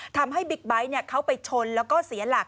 บิ๊กไบท์เขาไปชนแล้วก็เสียหลัก